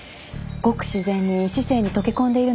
ごく自然に市井に溶け込んでいるのかしら？